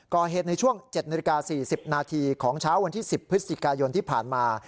ก่อเหตุในช่วง๗นาฬิกา๔๐นาทีของเช้าวันที่๑๐พฤศจิกายนที่ผ่านมา